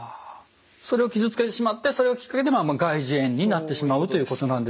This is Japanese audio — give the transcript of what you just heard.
それを傷つけてしまってそれがきっかけで外耳炎になってしまうということなんですね。